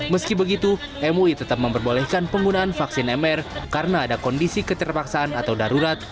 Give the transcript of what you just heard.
meski begitu mui tetap memperbolehkan penggunaan vaksin mr karena ada kondisi keterpaksaan atau darurat